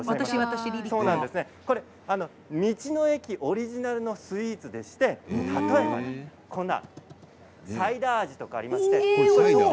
道の駅オリジナルのスイーツでしてサイダー味とかありますよ。